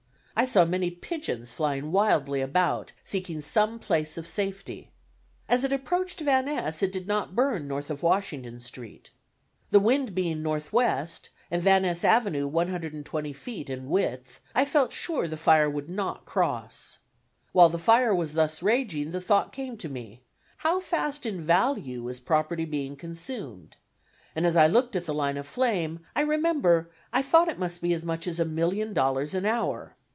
I saw many pigeons flying wildly about, seeking some place of safety. As it approached Van Ness it did not burn north of Washington Street. The wind being northwest, and Van Ness Avenue 125 feet in width, I felt sure the fire would not cross. While the fire was thus raging, the thought came to me, How fast in value is property being consumed? and as I looked at the line of flame, I remember I thought it must be as much as a million dollars an hour.